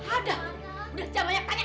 aduh udah jam banyak tanya